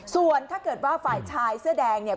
ส่วนถ้าเกิดว่าฝ่ายชายเสื้อแดงเนี่ย